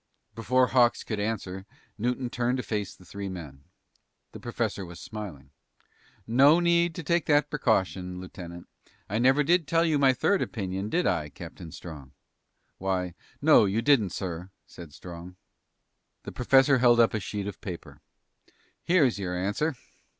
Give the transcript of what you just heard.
Before Hawks could answer, Newton turned to face the three men. The professor was smiling. "No need to take that precaution, Lieutenant. I never did tell you my third opinion, did I, Captain Strong?" "Why, no, you didn't, sir," said Strong. The professor held up a sheet of paper. "Here's your answer.